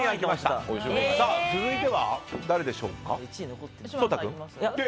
続いては誰でしょうか。